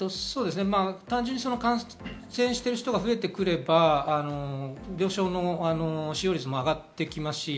単純に感染している人が増えてくれば病床の使用率も上がっていきます。